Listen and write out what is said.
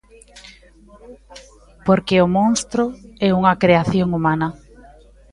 Porque o monstro é unha creación humana.